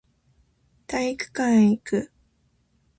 体育館へ行く